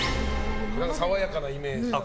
爽やかなイメージ。